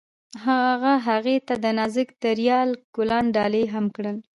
هغه هغې ته د نازک دریا ګلان ډالۍ هم کړل.